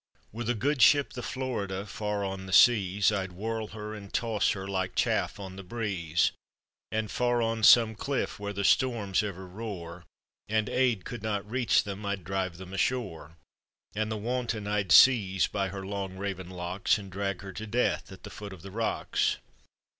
" Were the good ship, the Florida, f;ir on the seas, I'd whirl her and toss her, like chaff on the breeze, And far on some cliff, where the storms ever roar, And aid could not reach them, I'd drive them ashore; And the wanton I'd seize by her long raven locks. And drag her to death at the foot of the rocks.